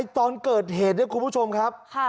ตอนเกิดเหตุเนี่ยคุณผู้ชมครับ